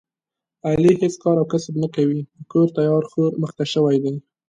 علي هېڅ کار او کسب نه کوي، په کور تیار خور مخته شوی دی.